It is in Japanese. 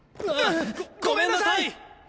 ごめんなさい！